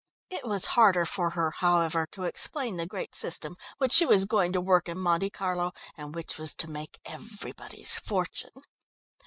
It was harder for her, however, to explain the great system which she was going to work in Monte Carlo and which was to make everybody's fortune.